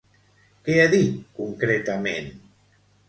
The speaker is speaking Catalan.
Què ha dit, concretament?